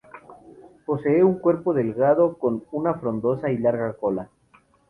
Posee un cuerpo delgado, con una frondosa y larga cola.